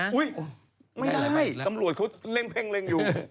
ไม่ได้ตำรวจเขาเร่งเพ่งอยู่